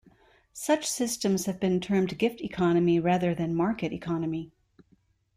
Such systems have been termed gift economy rather than market economy.